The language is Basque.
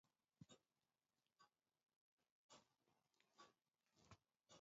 Erdi aroko ipuin kontalariak eta txotxongiloak.